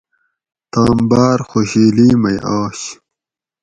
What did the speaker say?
تام باۤر خوشحیلی مئ آش